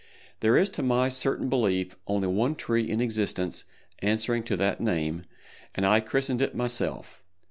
There is to my certain belief only one tree in existence answering to that name, and I christened it myself.